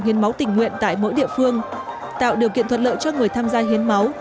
hiến máu tình nguyện tại mỗi địa phương tạo điều kiện thuận lợi cho người tham gia hiến máu